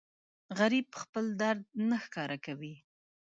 غریب خپل درد نه ښکاره کوي